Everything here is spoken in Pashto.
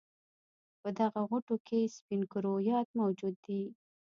په دغه غوټو کې سپین کرویات موجود دي.